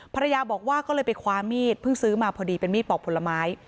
ภรรยาบอกว่าก็เลยไปคว้ามีดเพิ่งซื้อมาพอดีเป็นมีดปอกผลไม้